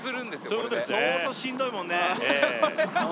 これで相当しんどいもんね